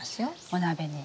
お鍋に。